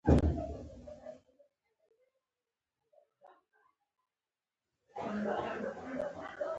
• ورځ د تعلیم، کار او زدهکړې لپاره ده.